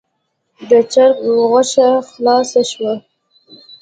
د چرګ غوښه خلاصه شوه.